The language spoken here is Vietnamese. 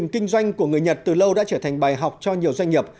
mô hình kinh doanh của người nhật từ lâu đã trở thành bài học cho nhiều doanh nghiệp